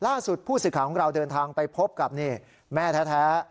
ล่าสุดผู้สื่อข่าวของเราเดินทางไปพบกับแม่แท้